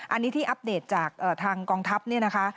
อันนี้ที่อัปเดตจากทางกองทัพเนี่ยนะคะ